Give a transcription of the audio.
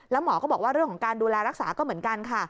แล้วหมอก็บอกว่าเรื่องของการดูแลรักษาก็เหมือนกันค่ะ